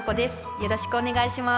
よろしくお願いします。